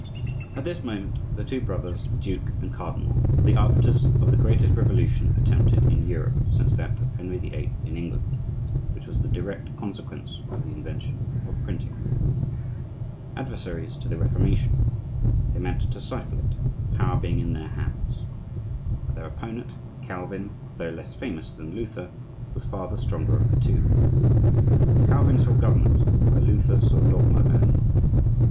At this moment the two brothers, the duke and cardinal, were the arbiters of the greatest revolution attempted in Europe since that of Henry VIII. in England, which was the direct consequence of the invention of printing. Adversaries to the Reformation, they meant to stifle it, power being in their hands. But their opponent, Calvin, though less famous than Luther, was far the stronger of the two. Calvin saw government where Luther saw dogma only.